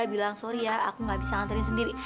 bilang sorry ya aku nggak bisa anterin sendiri